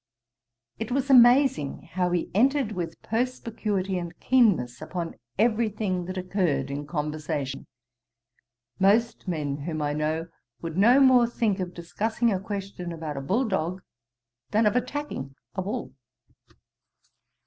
It was amazing how he entered with perspicuity and keenness upon every thing that occurred in conversation. Most men, whom I know, would no more think of discussing a question about a bull dog, than of attacking a bull.